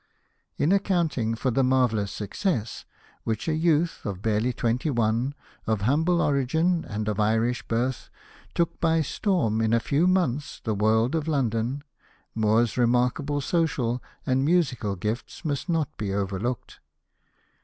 In accounting for the marvellous success with which a youth of barely twenty one, of humble origin and of Irish birth, took by storm in a few months the world of London, Moore's remarkable social and musical gifts must not be overlooked.